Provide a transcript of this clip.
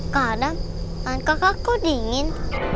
kadang kadang kakakku dingin